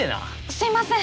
すいません！